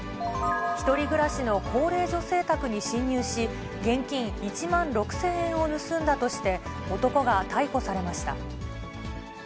１人暮らしの高齢女性宅に侵入し、現金１万６０００円を盗んだとして、男が逮捕されました。